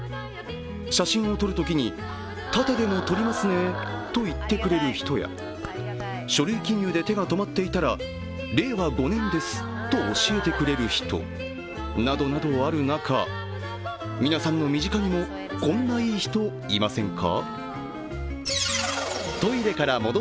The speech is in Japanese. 写真を撮るときに、縦でも撮りますねと言ってくれるひとや書類記入で手が止まっていたら、令和５年ですと教えてくれる人、などなどある中、皆さんの身近にもこんないい人いませんか？